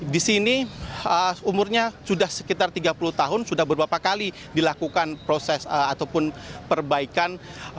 di sini umurnya sudah sekitar tiga puluh tahun sudah beberapa kali dilakukan proses ataupun perbaikan